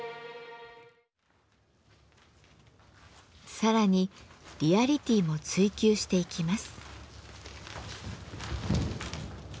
更にリアリティーも追求していきます。